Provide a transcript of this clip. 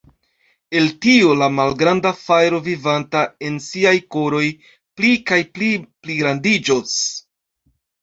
El tio, la malgranda fajro vivanta en siaj koroj pli kaj pli pligrandiĝos.